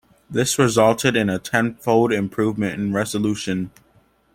This resulted in a tenfold improvement in resolution.